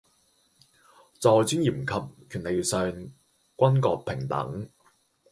在尊嚴及權利上均各平等